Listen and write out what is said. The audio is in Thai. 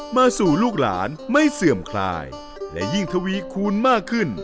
มาสู่ลูกหลานไม่เสื่อมคลายและยิ่งทวีคูณมากขึ้น